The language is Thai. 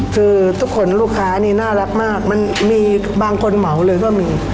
คือทุกคนลูกค้านี่น่ารักมากมันมีบางคนเหมาเลยก็มี